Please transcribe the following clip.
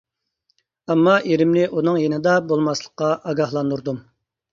ئەمما ئېرىمنى ئۇنىڭ يېنىدا بولماسلىققا ئاگاھلاندۇردۇم.